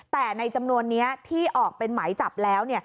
แต่ในจำนวนนี้ที่ออกเป็นหมายจับแล้ว